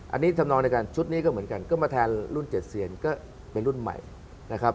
อันนี้ทำนองในการชุดนี้ก็เหมือนกันก็มาแทนรุ่น๗เซียนก็เป็นรุ่นใหม่นะครับ